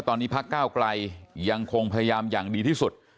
ตอนนี้พักก้าวไกลยังคงพยายามอย่างดีที่สุด